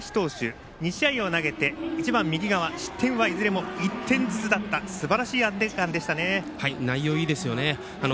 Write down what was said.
山梨学院は林投手、２試合を投げて１番右側失点はいずれも１点ずつだったすばらしい安定感でしたね。